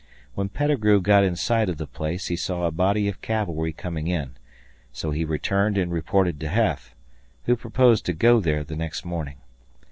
When Pettigrew got in sight of the place, he saw a body of cavalry coming in; so he returned and reported to Heth who proposed to go there the next morning.